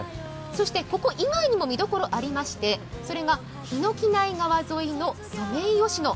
そして、ここ以外にも見どころがありまして、それが桧木内川沿いのソメイヨシノ。